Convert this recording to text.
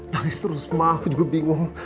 nangis terus mah aku juga bingung